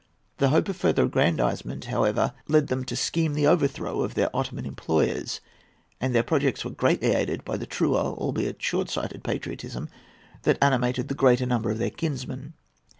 The hope of further aggrandisement, however, led them to scheme the overthrow of their Ottoman employers, and their projects were greatly aided by the truer, albeit short sighted, patriotism that animated the greater number of their kinsmen.